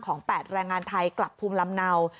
๘แรงงานไทยกลับภูมิลำเนา